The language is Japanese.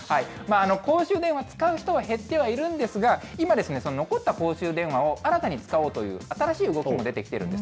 公衆電話、使う人は減ってはいるんですが、今ですね、残った公衆電話を新たに使おうという新しい動きも出てきているんです。